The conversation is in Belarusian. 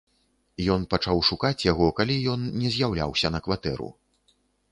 Ён пачаў шукаць яго, калі ён не з'яўляўся на кватэру.